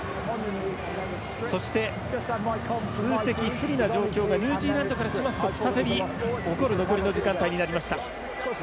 そして数的不利な状況がニュージーランドからしますと再び起こる残りの時間帯になりました。